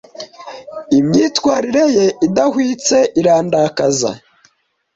Imyitwarire ye idahwitse irandakaza.